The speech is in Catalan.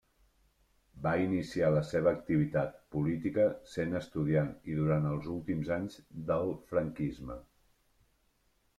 Va iniciar la seva activitat política sent estudiant i durant els últims anys del franquisme.